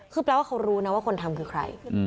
คือแปลว่าเขารู้นะว่าคนทำคือใคร